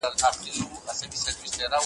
د خوب د تعبير اساس ښه فهم او قوي معنويات دي.